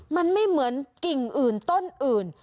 มันไม่เหมือนกิ่งอื่นต้นอื่น